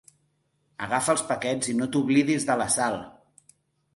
Agafa els paquets i no t'oblidis de la sal.